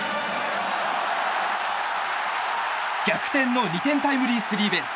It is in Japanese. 逆転の２点タイムリースリーベース。